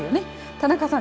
田中さん